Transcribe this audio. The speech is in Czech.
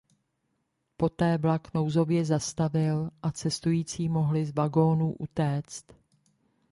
Poté vlak nouzově zastavil a cestující mohli z vagónů utéct.